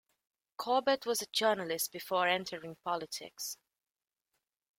Corbett was a journalist before entering politics.